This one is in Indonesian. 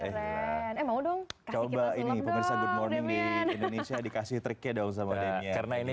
eh mau dong coba ini pengirsa good morning indonesia dikasih trik ya dong sama karena ini